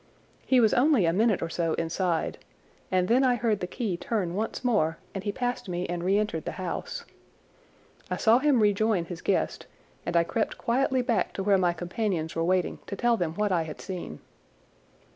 He was only a minute or so inside, and then I heard the key turn once more and he passed me and reentered the house. I saw him rejoin his guest, and I crept quietly back to where my companions were waiting to tell them what I had seen.